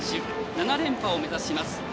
７連覇を目指します。